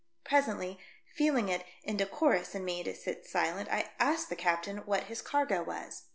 Presently, feeling it inde corus in me to sit silent, I asked the captain what his cargo was.